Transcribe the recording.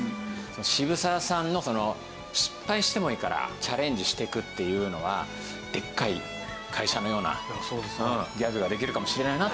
渋沢さんの失敗してもいいからチャレンジしていくっていうのはでっかい会社のようなギャグができるかもしれないなと。